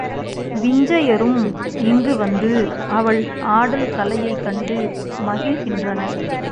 விஞ்சையரும் இங்கு வந்து அவள் ஆடல் கலையைக் கண்டு மகிழ்கின்றனர்.